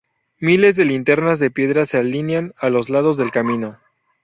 Miles de linternas de piedra se alinean a los lados del camino.